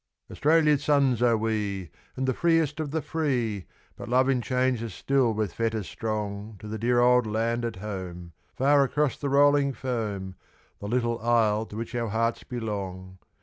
Australia's sons are we, And the freest of the free, But Love enchains us still with fetters strong To the dear old land at Home, Far across the rolling foam The little isle to which our hearts belong.